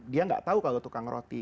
dia nggak tahu kalau tukang roti